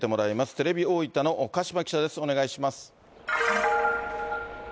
テレビ大分の鹿島記者です、よろしくお願いします。